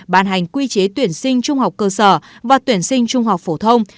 ban hành quy chế tuyển sinh trung học cơ sở và tuyển sinh trung học phổ thông